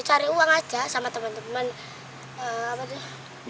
ya cari uang aja sama teman teman